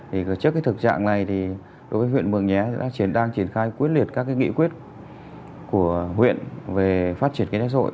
thì trước cái thực trạng này thì đối với huyện mường nhé đã đang triển khai quyết liệt các nghị quyết của huyện về phát triển kinh tế rỗi